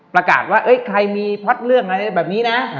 ประกาศว่าใครมีพล็อตเรื่องอะไรแบบนี้นะ